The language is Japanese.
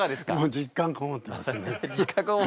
実感こもってますね！